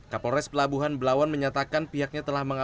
kapolres pelabuhan belawan menyatakan pihaknya telah mengembangkan